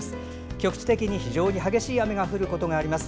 局地的に非常に激しい雨が降ることがあります。